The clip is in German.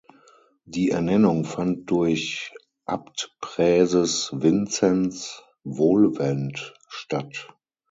Die Ernennung fand durch Abtpräses Vinzenz Wohlwend statt.